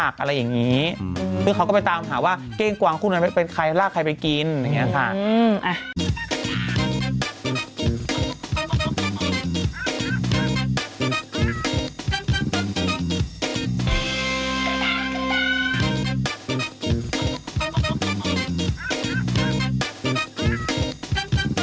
คือเขาก็ไปตามหาว่าเก้งกวางคู่นั้นเป็นใครลากใครไปกินอย่างนี้ค่ะ